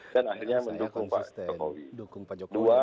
dan akhirnya mendukung pak jokowi